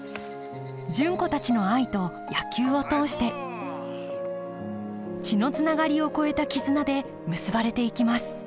純子たちの愛と野球を通して血のつながりを超えた絆で結ばれていきます